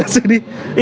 masih beneran di sini